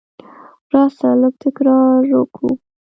راسه! لږ تکرار وکو.